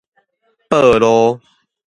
報路